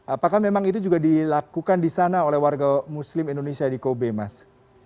apakah memang itu juga dilakukan di sana oleh warga muslim indonesia di kobe mas